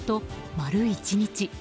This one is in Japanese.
丸１日。